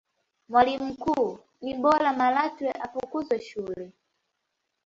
mwalimu mkuu ni bora malatwe afukuze shule